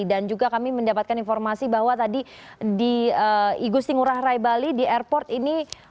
dan juga kami mendapatkan informasi bahwa tadi di igusti ngurah rai bali di airport ini